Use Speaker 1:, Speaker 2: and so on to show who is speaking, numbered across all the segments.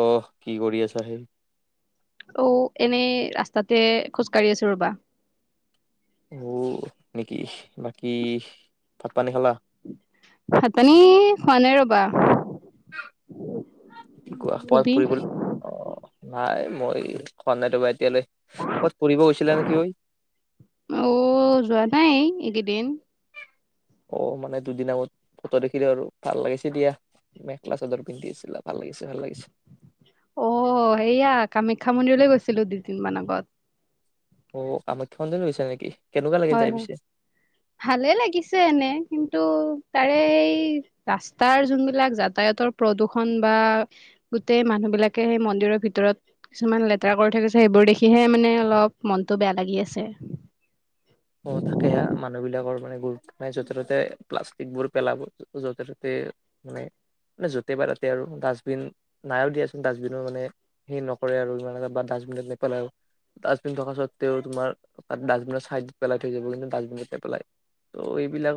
Speaker 1: অহ কি কৰি আছা সেই?
Speaker 2: অ এনেই ৰাস্তাতে খোজকাঢ়ি আছো ৰবা ।
Speaker 1: অ নেকি বাকী ভাত পানী খালা ।
Speaker 2: ভাত পানী খোৱা নাই ৰব বা
Speaker 1: কোৱা কোৱা
Speaker 2: তুমি
Speaker 1: ফুৰিবল অহ নাই এ মই খোৱা নাই ত ভা কেলে ক'ত ফুৰিব গৈছিলা নেকি এই
Speaker 2: দিন
Speaker 1: অ মানে দুদিন আগত ফটো দেখিলো আৰু ভাল লাগিছে দিয়া মেখেলা চাদৰ পিন্ধি আছিলা ভাল লাগিছে ভাল লাগিছে।
Speaker 2: অ সেয়া কামাখ্যা মন্দিৰলৈ গৈছিলো দুদিনমান আগত ।
Speaker 1: অ কামাখ্যা মন্দিৰলৈ গৈছিলা নিকি
Speaker 2: হয় হয় ভালে লাগিছে এনে কিন্তু তাৰে ই ৰাস্তাৰ যোনবিলাক যাতায়াতৰ প্ৰদূষন বা গোটেই মানুহ বিলাকে সেই মন্দিৰৰ ভিতৰত কিছুমান লেতেৰা কৰি থৈ গৈছে সেইবোৰ দেখিহে মানে অলপ মনটো বেয়া লাগি আছে।
Speaker 1: অ থাকে মানুহ বিলাকৰ মানে গুৰুত্ব নাই য'তে ত'তে প্লাষ্টিকবোৰ পেলাব য'তে ত'তে মানে মে য'তে পাই তাতে আৰু ডাষ্টবিন নাইও দিয়াচোন ডাষ্টবিনো মানে হেৰি নকৰে আৰু ইমান বা ডাষ্টবিনত নেপেলায় ডাষ্টবিন থকা স্বতেও তোমাৰ ডাষ্টবিনত চাইড পেলাই থৈ যাব কিন্তু ডাষ্টবিন নেপেলাই ত এইবিলাক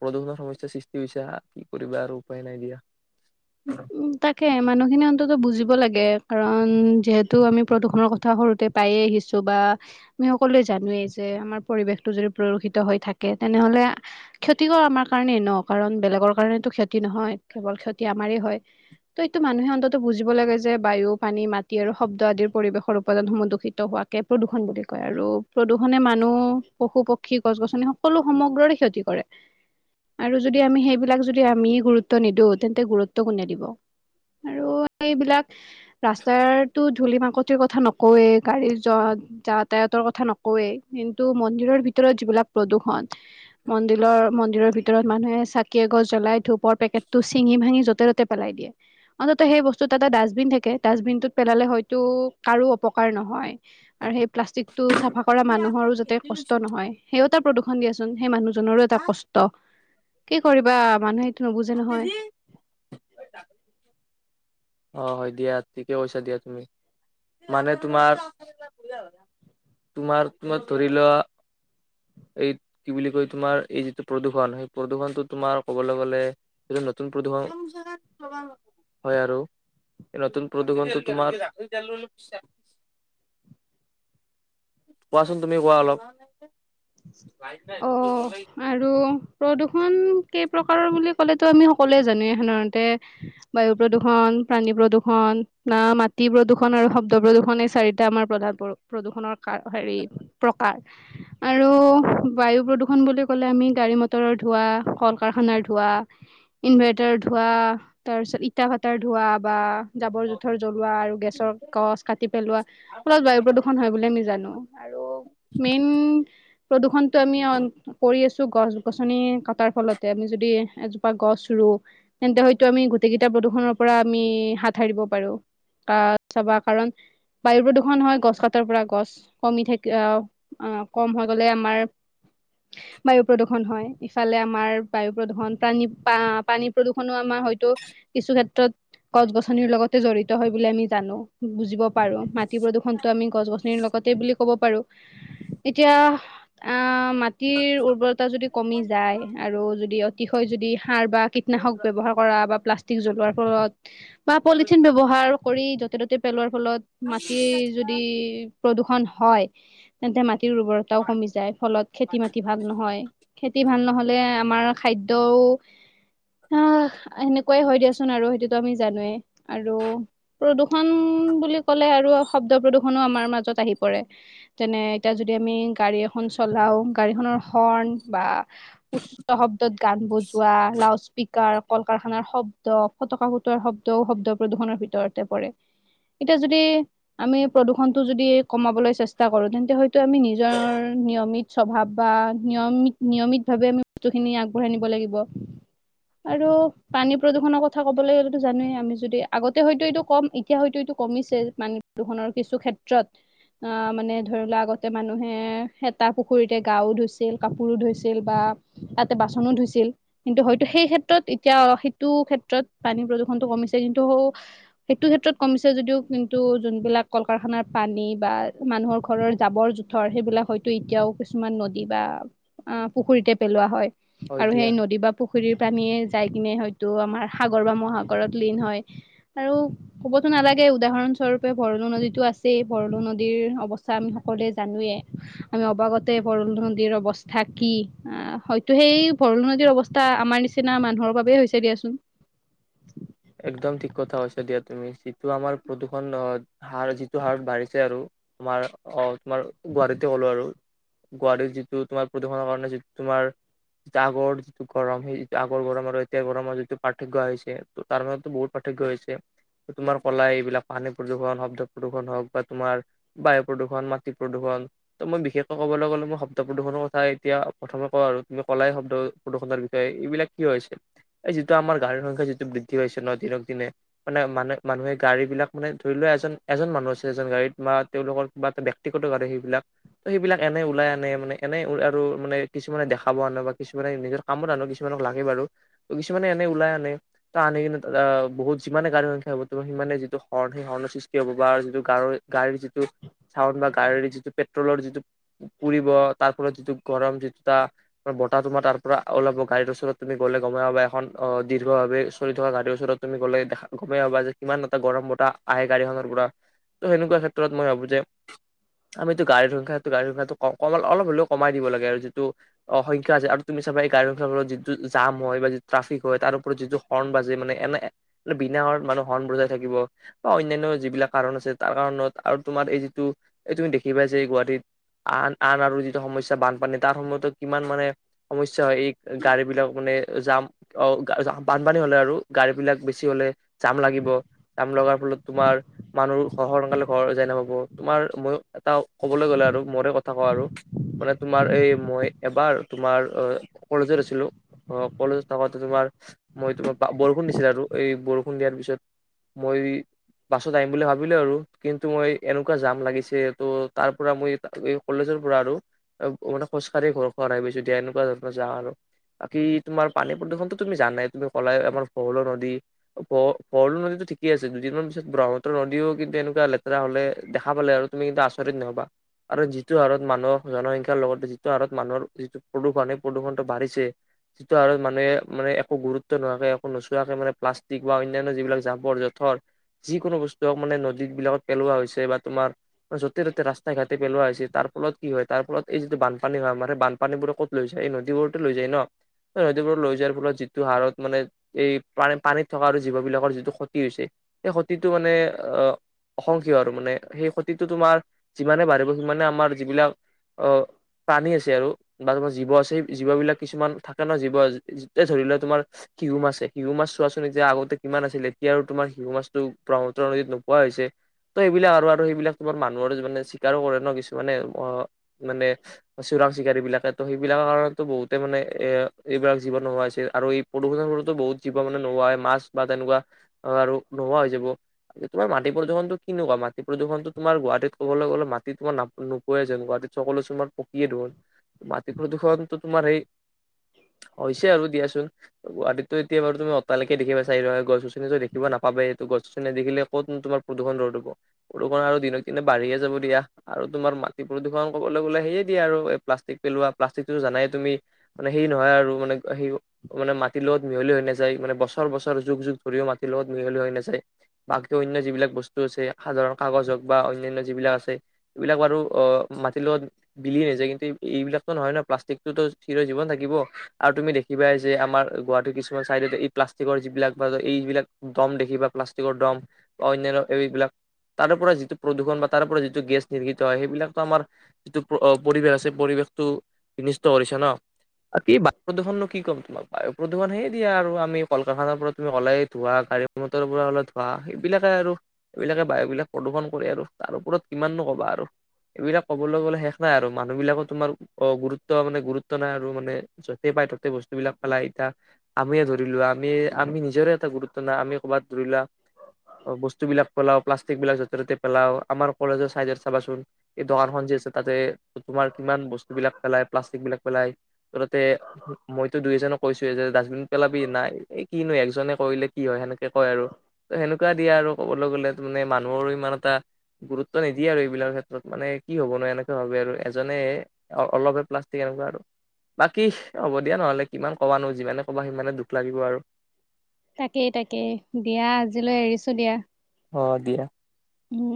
Speaker 1: প্ৰদূষণৰ সমস্যাৰ সৃষ্টি হৈছা কি কৰিবা আৰু উপায় নাই দিয়া ।
Speaker 2: উম তাকে মানুহখিনি অন্তত বুজিব লাগে কাৰণ যিহেতু আমি প্ৰদূষণৰ কথা সৰুতে পায়ে আহিছো বা আমি সকলোৱে জানোৱেই যে আমাৰ পৰিৱেশটো যদি প্ৰদূষিত হৈ থাকে তেনেহলে ক্ষতিকৰ আমাৰ কাৰণেই ন কাৰণ বেলেগৰ কাৰণেতো ক্ষতি নহয় কেৱল ক্ষতি আমাৰেই হয়। ত এইটো মানুহে অন্তত বুজিব লাগে যে বায়ু পানী মাটি আৰু শব্দ আদিৰ পৰিৱেশৰ উৎপানসমূহ দূষিত হোৱাকে প্ৰদূষণ বুলি কয়। আৰু প্ৰদূষনে মানুহ পশু পক্ষী গছ গছনি সকলো সমগ্ৰৰে ক্ষতি কৰে আৰু যদি আমি সেইবিলাক যদি আমি গুৰুত্ব নিদিও তেন্তে গুৰুত্ব কোনে দিব । আৰু এইবিলাক ৰাস্তাৰটো ধূলি মাকতিৰ কথা নকওয়ে গাড়ীৰ যত যাতায়াতৰ কথা নকওয়ে কিন্তু মন্দিৰৰ ভিতৰত যিবিলাক প্ৰদূষন মন্দিৰৰ মন্দিৰৰ ভিতৰত মানুহে চাকি এগছ জ্বলাই ধূপৰ পেকেটটো চিঙি ভাঙি য'তে ত'তে পেলাই দিয়ে অন্তত সেই বস্তুত এটা ডাষ্টবিন থাকে ডাষ্টবিনটোত পেলালে হয়তো কাৰো অপকাৰ নহয় । আৰু সেই প্লাষ্টিকটো চাফা কৰা মানুহৰো যাতে কষ্ট নহয় সেইও এটা প্ৰদূষণ হলেইচোন হেই মানুহ জনৰো এটা কষ্ট কি কৰিবা মানুহে এইটো নুবুজে নহয় ।
Speaker 1: অ হয় দিয়া ঠিকে কৈছা দিয়া তুমি মানে তোমাৰ তোমাৰ তোমাক ধৰি লোৱা এই কি বুলি কয় তোমাৰ এই যিটো প্ৰদুষণ সেই প্ৰদুষণটো তোমাৰ কবলে গলে যিটো নতুন প্ৰদুষণ [unintelligible] হয় আৰু নতুন প্ৰদুষণ টো তোমাৰ কোৱাচোন তুমি কোৱা অলপ।
Speaker 2: অ আৰু প্ৰদূষ প্ৰদুষণ কেই প্ৰকাৰৰ বুলি ক'লেতো আমি সকলোৱে জানোৱে সাধাৰণতে বায়ু প্ৰদুষণ, প্ৰাণী প্ৰদূষণ না মাটি প্ৰদূষণ আৰু শব্দ প্ৰদূষণ এই চাৰিটা আমাৰ প্ৰধান প্ৰ প্ৰদূষণৰ কা হেৰি প্ৰকাৰ [unintelligible] আৰু বায়ু প্ৰদূষণ বুলি ক'লে, আমি গাড়ী মটৰৰ ধোৱা, কল কাৰখানাৰ ধোৱা, ইনভাৰ্টাৰ ধোঁৱা তাৰপিছত ইটা ভাটাৰ ধোঁৱা বা জাবৰ জোথৰ জ্বলোৱা আৰু গেছৰ গছ কাটি পেলোৱা ফলত বায়ু প্ৰদূষণ হয় বুলি আমি জানো। আৰু মেইন প্ৰদূষণতটো আমি অন্ত কৰি আছো গছ গছনি কটাৰ ফলতে ।আমি যদি এজোপা গছ ৰুও কিন্তু, হেইতো আমি গোটকেইটা প্ৰদূষনৰৰ পৰা আমি হাত সাৰিব পাৰো ।কা চাবা কাৰণ বায়ুৰ প্ৰদূষন হয় গছ কটাৰ পৰা ।গছ কমি থাকি অহ অহ কম হ গলে আমাৰ বায়ু প্ৰদূষণ হয় ।ইফালে আমাৰ বায়ু প্ৰদূষণ, পানী পা পানী প্ৰদূষণো আমাৰ হয়তো কিছু ক্ষেত্ৰত গছ গছনিৰ লগতে জড়িত হয় বুলি আমি জানো ।বুজিব পাৰো। মাটি প্ৰদূষণতো আমি গছ গছনিৰ লগতে বুলি ক'ব পাৰো। এতিয়া আ মাটিৰ উৰ্বৰতা যদি কমি যায় আৰু যদি অতিশয় যদি সাৰ বা কীটনাশক ব্যৱহাৰ কৰা বা প্লাষ্টিক জ্বলোৱাৰ [unintelligible] বা পলিথিন ব্যৱহাৰ কৰি য'তে তত তে পেলোৱাৰ ফলত মাটিৰ যদি প্ৰদূষণ হয়। তেন্তে মা টিৰ উৰ্বৰতাও কমি যায়। ফলত খেতি মাটি ভাল নহয়। খেতি ভাল নহলে আমাৰ খাদ্যও সাঁহ - সেনেকুৱাই হয় দিয়াচোন আৰু সেইটোতো আমি জানোৱে আৰু প্ৰদূষন বুলি ক'লে আৰু শব্দ প্ৰদূষনো আমাৰ মাজত আহি পৰে যেনে এতিয়া যদি আমি গাড়ী এখন চলাওঁ, গাড়ীখনৰ হৰ্ণ বা উচ্চ শব্দত গান বজোৱা, লাউড স্পীকাৰ, কল কাৰখানাৰ শব্দ, ফটকা ফুটোৱাৰ শব্দও শব্দ প্ৰদূষণৰ ভিতৰতে পৰে। এতিয়া যদি আমি প্ৰদূষণ টো যদি কমাবলৈ চেষ্টা কৰো তেন্তে হয় টো আমি নিজৰ নিয়মিত স্বভাৱ বা নিয়মিত‌ - নিয়মিত ভাৱে আমি বস্তুখিনি আগবঢ়াই নিব লাগিব আৰু পানী প্ৰদূষণৰ কথা ক'বলে গ'লেতো জানোৱেই আমি যদি আগতে হয়তো এইটো কম এতিয়া হয়তো এইটো কমিছে পানী প্ৰদূৰষণৰ কিছু ক্ষেত্ৰত। আঁ মানে ধৰি লোৱা আগত তে মানুহে সেতা পুখুৰীতে গাও ধুইছিল, কাপোৰো ধুইছিল বা তাতে বাচনো ধুইছিল। কিন্তু হয়তো সেই ক্ষেত্ৰত এতিয়া সেইটো ক্ষেত্ৰত পানী প্ৰদূষনটো কমিছে, কিন্তু সেইটো ক্ষেত্ৰত কমিছে যদিও কিন্তু যোনবিলাক কল কাৰখানাৰ পানী বা মানুহৰ ঘৰৰ জাবৰ-জোথৰ সেইবিলাক হয়তো এতিয়াও কিছুমান নদী বা অ' পুখুৰীতে পেলোৱা হয়।
Speaker 1: হয়
Speaker 2: আৰু
Speaker 1: দিয়া
Speaker 2: সেই নদী বা পুখুৰীৰ পানীয়ে যাই কিনে হয়তো আমাৰ সাগৰ বা মহাসাগৰত লীন হয়। আৰু ক'বতো নালাগে উদাহৰণ স্বৰূপে, ভৰলু নদীতো আছেই, ভৰলু নদীৰ অৱস্থা আমি সক সকলোৱে জানোৱে। আমি অবাগতে ভৰলু নদীৰ অৱস্থা কি আহ হয়তো সেই ভৰল নদীৰ অৱস্থা আমাৰ নিচিনা মানুহৰ বাবে হৈছে দিয়াচোন।
Speaker 1: একদম ঠিক কথা কৈছা দিয়া তুমি, যিটো আমাৰ প্ৰদূষণ অ - হাৰ যিটো হাৰত বাঢ়িছে আৰু তোমাৰ অ - তোমাৰ গুৱাহাটীতে কলো আৰু গুৱাহাটীৰ যিটো তোমাৰ প্ৰদূষণৰ কাৰণে যি তোমাৰ আগৰ যিটো গৰম সেই [unintelligible] আগৰ গৰম আৰু এতিয়া গৰমৰ যিটো পাৰ্থক্য আহিছে তো' তাৰ মাজত টো বহুত পাৰ্থক্য হৈছে। তোমাৰ কলা এইবিলাক পানী প্ৰদূষণ, শব্দ প্ৰদূষণ হওঁক বা তোমাৰ বায়ু প্ৰদূষণ, মাটি প্ৰদূষণ। তো' মই বিশেষকৈ কবলৈ গলে মই শব্দ প্ৰদূষণৰ কথাই এতিয়া প্ৰথমে কওঁ আৰু তুমি কলাই শব্দ প্ৰদূষণৰ বিষয়ে এইবিলাক কিয় হৈছে, এই যিটো আমাৰ গাড়ীৰ সংখ্যা যিটো বৃদ্ দ্ধি হৈছে ন দিনক দিনে। মানে - মানে - মানুহে গাড়ী বিলাক মানে ধৰি লোৱা এজন - এজন মানুহ আছে এজন গাড়ীত বা তেওঁলোকৰ কিবা এটা ব্যক্তিগত গাড়ী সেইবিলাক, তো' সেইবিলাক এনে ওলাই আনে মানে এনে উ - আৰু মানে কিছুমানে দেখাব আনে বা কিছুমানে নিজৰ কামত আনো কিছুমানক লাগে বাৰু ত' কিছুমানে এনে ওলাই আনে। তা আনি কেনে আ বহুত যিমানে গাড়ীৰ সংখ্যা হব তো' সিমানে যিটো হৰ্ণ সেই হৰ্ণৰ সৃষ্টি হব বা যিটো গাড়ৰে - গাড়ীৰ যিটো চাউণ্ড বা গাড়ীৰ যিটো পেট্ৰলৰ যিটো পুৰিব তাৰ ফলত যিটো গৰম যিটো তা বতাহ তোমাৰ তাৰ পৰা ওলাব গাড়ীৰ ওচৰত তুমি গ'লে গমে পাবা এখন অ - দীৰ্ঘভাবে চ চলি থকা গাড়ীৰ ওচৰত তুমি গলে দেখা - গমেই ভাবা যে কিমান এটা গৰম বতাহ আহে গাড়ীখনৰ পৰা তো' সেনেকুৱা ক্ষেত্ৰত মই ভাবো যে আমিতো গাড়ীৰ সংখাটো [unintelligible] ত' ক - কমল - অলপ হ'লেও কমাই দিব লাগে আৰু যিটো অ - সংখ্যা আছে আৰু তুমি চাবা এই গাড়ীৰ সংখ্যাবোৰত যিটো জাম হয় বা যিটো ট্ৰাফিক হয়। তাৰ ওপৰত যিটো হৰ্ণ বাজে মানে এনে এ - নে বিনা হৰ্ণ বজাই থাকিব, অন্যান্য যিবিলাক কাৰণ আছে তাৰ কাৰণত, আৰু তোমাৰ এই যিটো এই তুমি দেখি পাই যে গুৱাহাটীত আন - আন আৰু যিটো সমস্যা বানপানী তাৰ সময়তো কিমান মানে সমস্যা হয়। এই গাড়ী বিলাক মানে জাম অ' গা জাম বানপানী হলে আৰু গাড়ী বিলাক বেছি হলে জাম লাগিব। জাম লগাৰ ফলত তোমাৰ মানুৰো স - সোনকালে ঘৰ যায় নাপাব। তোমাৰ, ময়ো এটা কবলৈ গলে আৰু মৰে কথা কওঁ আৰু মানে তোমাৰ এই মই এবাৰ তোমাৰ অ কলেজত আছিলো, অ কলেজত থাকোতে তোমাৰ মই তোমাৰ বা - বৰষুণ দিছিল আৰু এই বৰষুণ দিয়াৰ পিছত মই বাছত আহিম বুলি ভাবিলো আৰু। কিন্তু মই এনেকুৱা জাম লাগিছে । ত' তাৰ পৰা মই এই - এই কলেজৰ পৰা আৰু আব - মানে খোজকাঢ়ি ঘৰখন পাইছো দিয়া এনেকুৱা ধৰণৰ জাম আৰু বাকী তোমাৰ পানী প্ৰদূষণতটো তুমি জানাই তুমিটো কলাই আমাৰ ভৰলু নদী, ভ - ভৰলু নদীটো ঠিকে আছে দুদিনমান পিছত ব্ৰহ্মপুত্ৰ নদীও কিন্তু এনেকুৱা লেতেৰা হলে দেখা পালে আৰু তুমি কিন্তু আচৰিত নহবা আৰু যিটো হাৰত মানুহ জনসংখ্যাৰ লগত যিটো হাৰত মানুহৰ যিটো প্ৰদূষণ সেই প্ৰদূষণটো বাঢ়িছে, যিটো হাৰত মানুহে মানে একো গুৰুত্ ত্ব নোহোৱাকে একো নোচোৱাকে মানে প্লাষ্টিক বা অনান্য যিবিলাক জাবৰ-জোথৰ যিকোনো বস্তু হওক মানে নদীবিলাকত পেলোৱা হৈছে বা তোমাৰ য'তে ত'তে ৰাস্তাই ঘাটে পেলোৱা হৈছে, তাৰ ফলত কি হয়, তাৰ ফলত এই যিটো বানপানী হয় আমাৰ সেই বানপানীবোৰে ক'ত লৈ যায়? এই নদীবোৰতে লৈ যায় ন! এ নদীবোৰত লৈ যোৱাৰ ফলত যিটো হাৰত মানে এই পানী - পানীত থকা আৰু জীৱ বিলাকৰ যিটো ক্ষতি হৈছে সেই ক্ষতিটো মানে অ - অসংকীয় আৰু মানে সেই ক্ষত তিটো তোমাৰ যিমানে বাঢ়িব সিমানে আমাৰ যিবিলাক অ - প্ৰানী আছে আৰু বা তোমাৰ জীৱ আছে সেই জীৱ বিলাক কিছুমান থাকে ন' জীৱ যি - যি এই ধৰি লোৱা তোমাৰ শিহু মাছে, শিহু মাছ চোৱাচোন এতিয়া আগতে কিমান আছিল এতিয়া আৰু তোমাৰ শিহু মাছটো ব্ৰহ্মপুত্ৰ নদীত নোপোৱা হৈছে। ত' সেইবিলাক আৰু - আৰু সেইবিলাক তোমাৰ মানুহৰে মানে চিকাৰো কৰে ন' কিছুমানে অ মানে চোৰাং চিকাৰী বিলাকে ত' সেইবিলাকৰ কাৰণতটো বহুতে মানে এ - এইবাৰ জীৱন নোহোৱা হৈছে আৰু এই প্ৰদূষণৰ ফলতো বহুত জীৱ মানে নোহোৱা হয় মাছ বা তেনেকুৱা আৰু নোহোৱা হৈ যাব তোমাৰ মাটি প্ৰদূষণটো কেনেকুৱা মাটি প্ৰদূ্ষণটো তোমাৰ গুৱাহাটীত কবলৈ গলে মাটি তোমাৰ নাপ - নোপোৱাই যেন গুৱাহাটীত চকলো চুমাৰ পকিয়ে দূহুন। মাটি প্ৰদূষণটো তোমাৰ সেই হৈছে আৰু দিয়াচোন গুৱাহাটীতটো এতিয়া বাৰু তুমি অট্টালিকাই দেখিবা ছাইৰো সহাই, গছ গছনিতো দেখিব নাপাবায়েটো, গছ ছনি নেদেখিলে কতনো তোমাৰ প্ৰদূষণ ৰোধ হব। প্ৰদূষণ আৰু দিনক দিনে বাঢ়িয়ে যাব দিয়া আৰু তোমাৰ মাটি প্ৰদূষণ কবলৈ গলে সেয়ে দিয়া আৰু এই প্লাষ্টিক পেলোৱা, প্লাষ্টিকটোতো জানাই তুমি মানে সেই নহয় আৰু মানে সে মানে মা মাটিৰ লগত মিহলি হৈ নাযায় মানে বছৰ বছৰ যুগ যুগ ধৰিও মাটিৰ লগত মিহলি হৈ নাযায়। বাকী অন্য যিবিলাক বস্তু আছে সাধাৰণ কাগজ হওক বা অন্যান্য যিবিলাক আছে এইবিলাক বাৰু অ মাটিৰ লগত বিলিয়ে নাযায় কিন্তু এই - এইবিলাকতো নহয় ন' প্লাষ্টিকটোতো চিৰ জীৱন থাকিব আৰু তুমি দেখিবাই যে আমাৰ গুৱাহাটীৰ কিছুমান চাইড যে এই প্লাষ্টিকৰ যিবিলাক [unintelligible] এই যিবিলাক দম দেখিবা, প্লাষ্টিকৰ দম বা অন্যান্য এই বিলাক তাৰে পৰা যিটো প্ৰদূৰষণ বা তাৰে পৰা যিটো গেছ নিৰ্ঘিত হয় সেইবিলাকটো আমাৰ যিটো প্ৰ - অ - পৰিৱেশ আছে পৰিৱেশতটো বিনিষ্ট কৰিছে ন' বাকী বায়ু প্ৰদূষণনো কি ক'ম তোমাক বায়ু প্ৰদূষণ সেয়ে দিয়া আৰু আমি কল কাৰখানাৰ পৰা তুমি ওলাই ধোৱা, গাড়ী মটৰৰ পৰা ওলোৱা ধোৱা, সেইবিলাকে আৰু। এইবিলাকে বায়ু বিলাক প্ৰদূষণ কৰে আৰু। তাৰ ওপৰত কিমাননো ক'বা আৰু এইবিলাক তাৰ ওপৰত কিমান নো কবা আৰু, এইবিলাক ক'বলৈ গ'লে শেষ নাই আৰু, মানুহ বিলাকো তোমাৰ অ গুৰুত্ব মানে, গুৰুত্ব নাই আৰু মানে য'তেই পায় ত'তে বস্তুবিলাক পেলাই থাক, আমিয়ে ধৰিলো আমি-আমি নিজৰে এটা গুৰুত্ব নাই, আমি কৰ'বাত ধৰি লোৱা বস্তু বিলাক পেলাওঁ, প্লাষ্টিক বিলাক যতে-ত'তে পেলাওঁ, আমাৰ কলেজৰ চাইডত চাবাচোন এই দোকানখন যে আছে তাতে তোমাৰ কিমান বস্তু বিলাক পেলাই, প্লাষ্টিক বিলাক পেলাই, তাতে মইতো দুই এজন কৈছোয়ে যে ডাষ্টবিন পেলাবি নাই, এই কিনো একজনে কৰিলে কি হয়, সেনেকে কয় আৰু ত সেনেকুৱা দিয়ে আৰু ক'বলৈ গলে মানে, মানুহৰো ইমান এটা গুৰুত্ব নিদিয়ে আৰু এইবিলাক ক্ষেত্ৰত, মানে কি হ'ব ন এনেকুৱা হ'লে আৰু এজনে অলপহে প্লাষ্টিক এনেকুৱা আৰু বাকী হ'ব দিয়া নহলে, কিমান ক'বা নো, যিমানে ক'বা, সিমানে দুখ লাগিব আৰু
Speaker 2: তাকেই-তাকেই, দিয়া আজিলৈ এৰিছো দিয়া।
Speaker 1: অ, দিয়া।
Speaker 2: উম